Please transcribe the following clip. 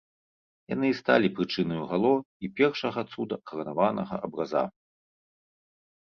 Яны і сталі прычынаю гало і першага цуда каранаванага абраза.